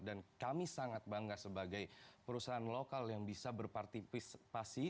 dan kami sangat bangga sebagai perusahaan lokal yang bisa berpartipasi